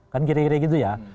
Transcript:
kan kira kira gitu ya